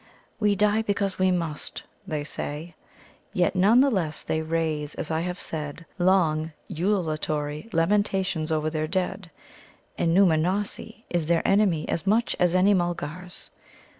"We die because we must," they say. Yet none the less they raise, as I have said, long ululatory lamentations over their dead, and Nōōmanossi is their enemy as much as any Mulgar's.